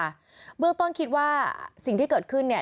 เบื้องต้นคิดว่าสิ่งที่เกิดขึ้นเนี่ย